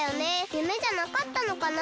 ゆめじゃなかったのかな？